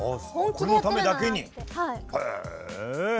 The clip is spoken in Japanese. これのためだけにへ。